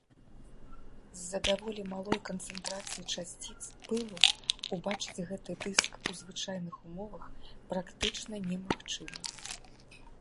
З-за даволі малой канцэнтрацыі часціц пылу убачыць гэты дыск у звычайных умовах практычна немагчыма.